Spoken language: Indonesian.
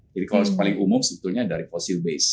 jadi kalau paling umum sebetulnya dari fosil base